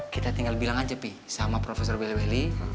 kita tinggal bilang aja pi sama profesor belli belli